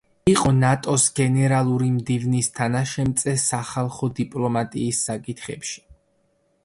იყო ნატოს გენერალური მდივნის თანაშემწე სახალხო დიპლომატიის საკითხებში.